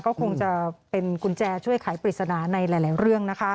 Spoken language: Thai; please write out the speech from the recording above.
ก็คงจะเป็นกุญแจช่วยไขปริศนาในหลายเรื่องนะคะ